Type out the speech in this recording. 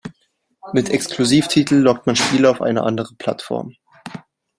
Mit Exklusivtiteln lockt man Spieler auf eine andere Plattform.